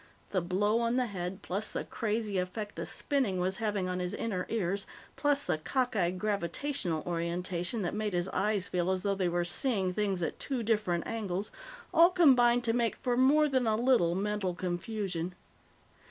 The blow on the head, plus the crazy effect the spinning was having on his inner ears, plus the cockeyed gravitational orientation that made his eyes feel as though they were seeing things at two different angles, all combined to make for more than a little mental confusion.